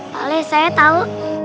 pak le saya tahu